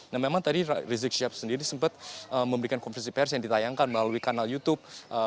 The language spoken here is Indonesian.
nah memang tadi rizik syihab sendiri sempat memberikan konversi pers yang ditayangkan melalui kanal youtube